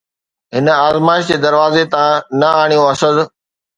هن آزمائش جي دروازي تان نه اٿيو، اسد!